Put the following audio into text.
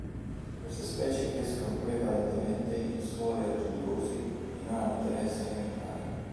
Queste specie crescono prevalentemente in suoli argillosi e non hanno interesse alimentare.